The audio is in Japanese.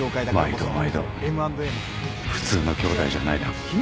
毎度毎度普通の兄弟じゃないな。